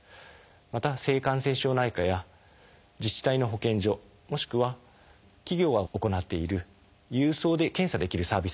また性感染症内科や自治体の保健所もしくは企業が行っている郵送で検査できるサービスもあります。